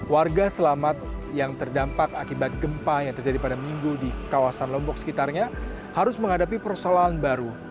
warga selamat yang terdampak akibat gempa yang terjadi pada minggu di kawasan lombok sekitarnya harus menghadapi persoalan baru